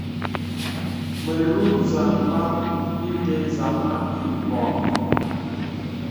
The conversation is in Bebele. Melùù zamgbā ìndə zāmā i vɔyaŋ.